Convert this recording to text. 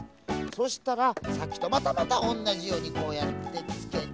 そしたらさっきとまたまたおんなじようにこうやってせんをつけてっと。